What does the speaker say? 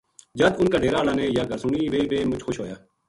جد اُنھ کا ڈیرا ہالاں نے یاہ گل سُنی ویہ بے مُچ خوش ہویا